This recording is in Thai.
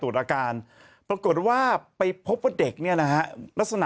อืม